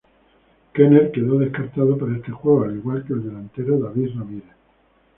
Kenner quedó descartado para este juego, al igual que el delantero David Ramírez.